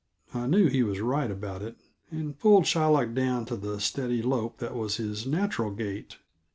I knew he was right about it, and pulled Shylock down to the steady lope that was his natural gait.